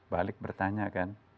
balik bertanya kan